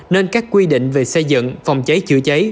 nên các quy định về xây dựng phòng cháy chữa cháy